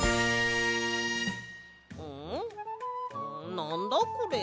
なんだこれ？